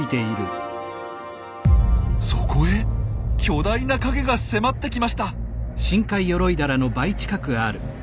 そこへ巨大な影が迫ってきました！